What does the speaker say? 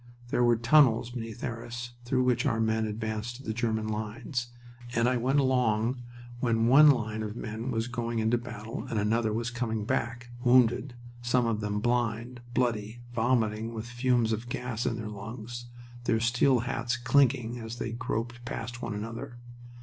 There were tunnels beneath Arras through which our men advanced to the German lines, and I went along them when one line of men was going into battle and another was coming back, wounded, some of them blind, bloody, vomiting with the fumes of gas in their lungs their steel hats clinking as they groped past one another.